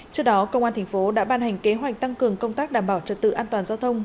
trước đó công an thành phố đã ban hành kế hoạch tăng cường công tác đảm bảo trật tự an toàn giao thông